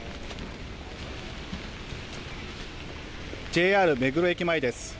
ＪＲ目黒駅前です。